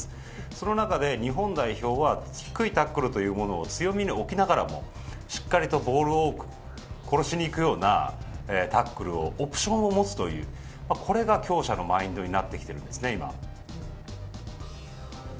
その中で、日本代表は低いタックルというものを強みに置きながらもしっかりとボールを殺しにいくようなタックルをオプションを持つというこれが強者のマインドになってきているんですね、今。